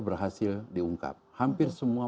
berhasil diungkap hampir semua